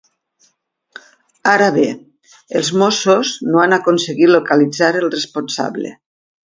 Ara bé, els Mossos no han aconseguit localitzar el responsable.